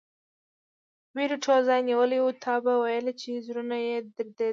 وېرې ټول ځای نیولی و، تا به ویل چې زړونه یې درېدلي.